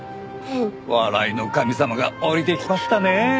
笑いの神様が下りてきましたねえ。